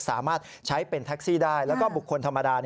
สามารถใช้เป็นแท็กซี่ได้แล้วก็บุคคลธรรมดา